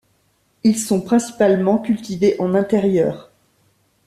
Ils sont principalement cultivés en intérieur.